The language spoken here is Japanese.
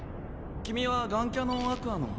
君はガンキャノン・アクアの。